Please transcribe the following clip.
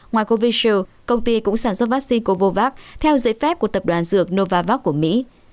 ngoài covishield công ty cũng sản xuất vắc xin covovac theo dễ phép của tập đoàn dược novavax của mỹ